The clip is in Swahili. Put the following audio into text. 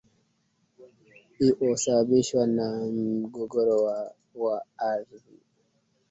iosababishwa na mgogoro wa wa ardhi